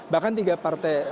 bahkan tiga partai